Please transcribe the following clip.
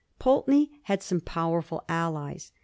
Pulteney had some powerful allies.